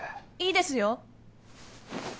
いいですよ！